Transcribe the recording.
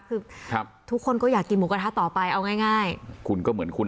คือครับทุกคนก็อยากกินหมูกระทะต่อไปเอาง่ายง่ายคุณก็เหมือนคุณ